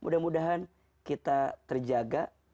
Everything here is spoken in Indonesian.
mudah mudahan kita terjaga